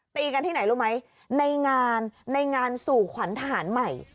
ตีกันที่ไหนรู้ไหมในงานในงานสู่ขวัญทหารใหม่